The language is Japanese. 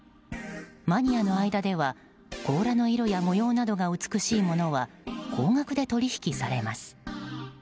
マニアの間では、甲羅の色や模様などが美しいものは高額で取引されます。